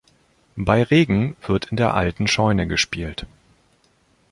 Bei Regen wird in der alten Scheune gespielt.